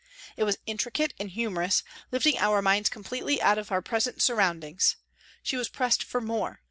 It was intricate and humorous, lifting our minds completely out of our present surround ings. She was pressed for " more."